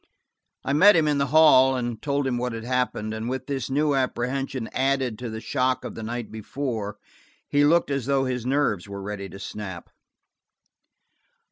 I met him in the hall and told him what had happened, and with this new apprehension added to the shock of the night before, he looked as though his nerves were ready to snap.